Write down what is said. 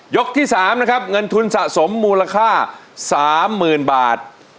ที่๓นะครับเงินทุนสะสมมูลค่า๓๐๐๐บาท